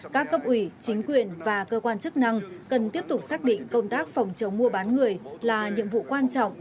các cấp ủy chính quyền và cơ quan chức năng cần tiếp tục xác định công tác phòng chống mua bán người là nhiệm vụ quan trọng